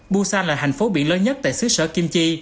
busan là thành phố biển lớn nhất tại xứ sở kim chi